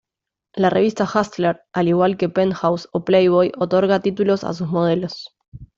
La revista "Hustler", al igual que "Penthouse" o "Playboy", otorga títulos a sus modelos.